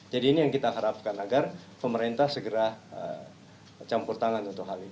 jadi ini yang kita harapkan agar pemerintah segera campur tangan untuk hal ini